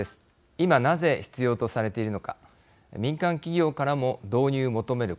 今、なぜ必要とされているのか民間企業からも導入求める